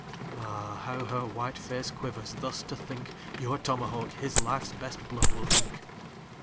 Ah, how her white face quivers thus to think, Your tomahawk his life's best blood will drink.